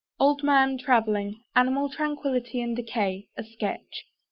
OLD MAN TRAVELLING; ANIMAL TRANQUILLITY AND DECAY, A SKETCH.